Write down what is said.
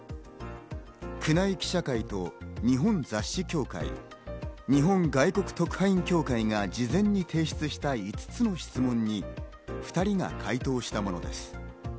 宮内記者会と日本雑誌協会、日本外国特派員協会が事前に提出した５つの質問に２人が回答したものです。